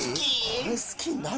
これ好きになる？